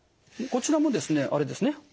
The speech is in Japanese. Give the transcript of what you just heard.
こちらもですねあれですね